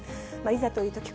いざというとき